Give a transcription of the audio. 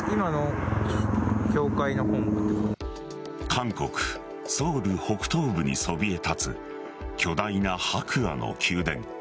韓国・ソウル北東部にそびえ立つ、巨大な白亜の宮殿。